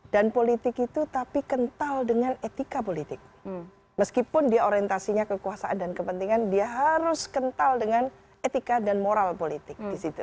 dan politik itu tapi kental dengan etika politik meskipun dia orientasinya kekuasaan dan kepentingan dia harus kental dengan etika dan moral politik